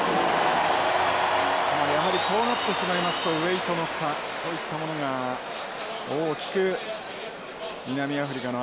やはりこうなってしまいますとウエイトの差そういったものが大きく南アフリカのアドバンテージとなります。